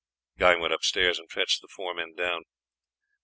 Guy went upstairs and fetched the four men down.